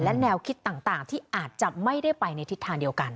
และแนวคิดต่างที่อาจจะไม่ได้ไปในทิศทางเดียวกัน